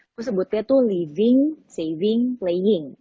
aku sebutnya tuh living saving playing